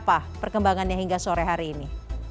apa perkembangannya hingga sore hari ini